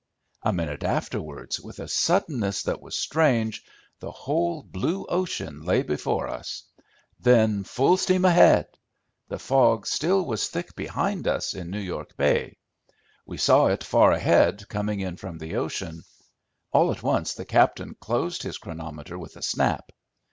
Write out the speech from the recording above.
A minute afterwards, with a suddenness that was strange, the whole blue ocean lay before us. Then full steam ahead. The fog still was thick behind us in New York Bay. We saw it far ahead coming in from the ocean. All at once the captain closed his chronometer with a snap.